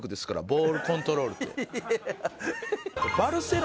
ボールコントロールって。